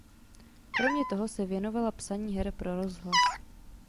Kromě toho se věnovala psaní her pro rozhlas.